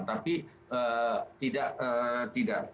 tapi tidak tidak